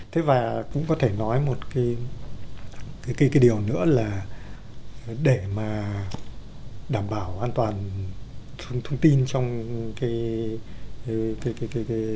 thế và cũng có thể nói một cái điều nữa là để mà đảm bảo an toàn thông tin trong cái